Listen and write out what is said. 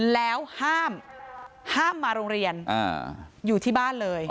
แล้วห้ามมาโรงเรียนอยู่ที่บ้านเลย